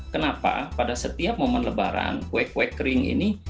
kenapa pada setiap momen lebaran kue kue kering ini